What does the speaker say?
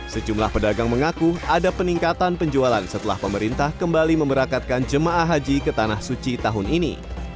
sejumlah pedagang mengaku ada peningkatan penjualan setelah pemerintah kembali memberakatkan jemaah haji ke tanah suci tahun ini